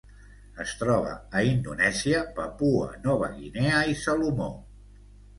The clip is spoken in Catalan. Es troba a Indonèsia, Papua Nova Guinea i Salomó.